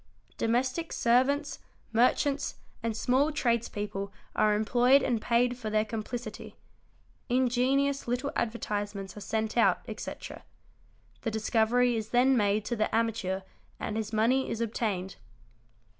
Domestic servants, merchants, and small tradespeople are employed and paid for their complicity ; ingenious little advertisements are sent out, etc., the discovery is then made to the amateur and his money is obtained.